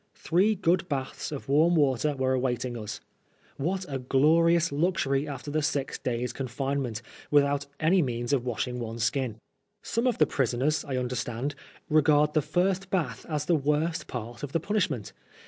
Three good baths of warm water were awaiting us. What a glorious luxury after the six days' confinement, without any means of wash ing one's skin ! Some of the prisoners, I understand, regard the first bath as the worst part of the punishment.